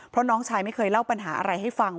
เพราะน้องชายไม่เคยเล่าปัญหาอะไรให้ฟัง